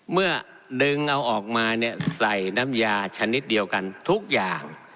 เมื่อดึงเอาออกมาเนี่ยใส่น้ำยาชนิดเดียวกันทุกอย่าง